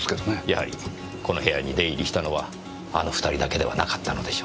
やはりこの部屋に出入りしたのはあの２人だけではなかったのでしょう。